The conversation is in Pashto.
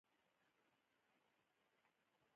د پوهنې کیفیت لوړول مهم دي؟